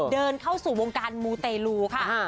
เดินเข้าสู่วงการมูเตลูค่ะ